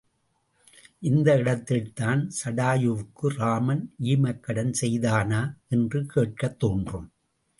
இந்த இடத்தில்தான் சடாயுவுக்கு ராமன் ஈமக்கடன் செய்தானா என்று கேட்கத் தோன்றும்.